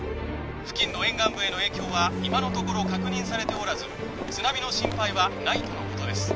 付近の沿岸部への影響は今のところ確認されておらず津波の心配はないとのことです